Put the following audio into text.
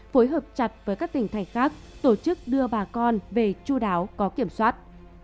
phối hợp chặt với các tỉnh thành khác tổ chức đưa bà con về chú đáo có kiểm soát